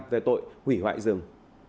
về tội hủy hoại rừng